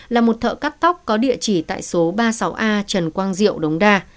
là một thợ cắt tóc có địa chỉ tại số ba mươi sáu a trần quang diệu đống đa